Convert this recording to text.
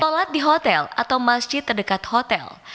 sholat di hotel atau masjid terdekat hotel